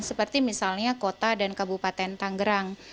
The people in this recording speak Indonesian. seperti misalnya kota dan kabupaten tanggerang